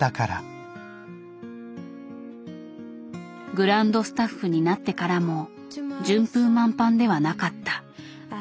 グランドスタッフになってからも順風満帆ではなかった。